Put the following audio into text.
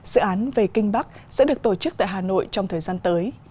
dự án về kinh bắc sẽ được tổ chức tại hà nội trong thời gian tới